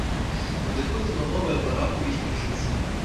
Надыходзіла новая пара ў іхнім жыцці.